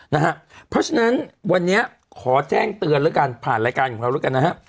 เพราะฉะนั้นวันนี้ขอแจ้งเตือนแล้วกันผ่านรายการของเราแล้วกันนะฮะ